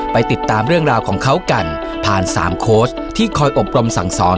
ไปติดตามเรื่องราวของเขากันผ่าน๓โค้ชที่คอยอบรมสั่งสอน